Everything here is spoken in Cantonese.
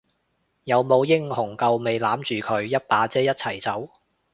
有冇英雄救美攬住佢一把遮一齊走？